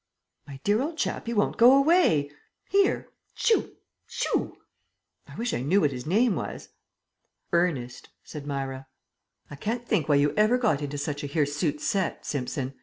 "My dear old chap, he won't go away. Here shoo! shoo! I wish I knew what his name was." "Ernest," said Myra. "I can't think why you ever got into such a hirsute set, Simpson.